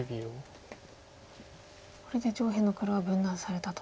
これで上辺の黒は分断されたと。